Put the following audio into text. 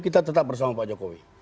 kita tetap bersama pak jokowi